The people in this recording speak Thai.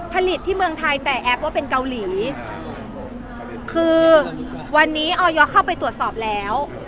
ผลิตที่เมืองไทยแต่แอปว่าเป็นเกาหลีคือวันนี้ออยเข้าไปตรวจสอบแล้ว